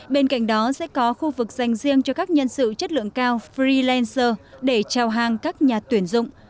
bên cạnh đó sẽ có khu vực dành riêng cho các nhân sự chất lượng cao freellanger để trao hàng các nhà tuyển dụng